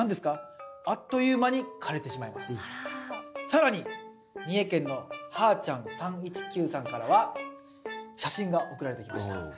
更に三重県のはーちゃん３１９さんからは写真が送られてきました。